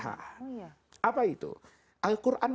yang nanti ibu ini akan melahirkan anak yang beragam